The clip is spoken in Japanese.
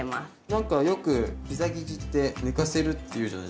なんかよくピザ生地って寝かせるっていうじゃないですか何時間も。